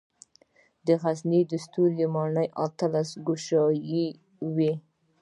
د غزني ستوري ماڼۍ اتلس ګوشې وه